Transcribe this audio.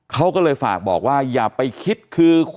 เขาก็เลยฝากบอกว่าอย่าไปคิดคือ